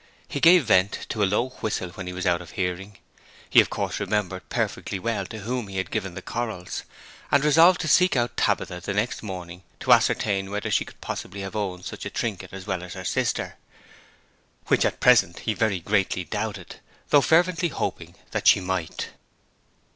He gave vent to a low whistle when he was out of hearing. He of course remembered perfectly well to whom he had given the corals, and resolved to seek out Tabitha the next morning to ascertain whether she could possibly have owned such a trinket as well as his sister, which at present he very greatly doubted, though fervently hoping that she might.